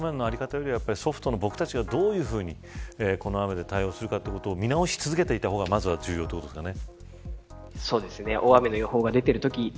ハード面の在り方よりはソフト面の僕たちが、どういうふうにこの雨で対応するかを見直し続けていった方がまずは重要ということですかね。